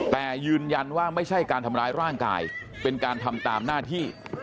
แต่ยืนยันว่าไม่ใช่การทำร้ายร่างกายเป็นการทำตามหน้าที่